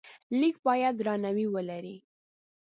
لیک باید درناوی ولري.